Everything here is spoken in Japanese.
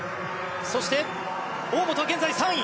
そして、大本は現在３位。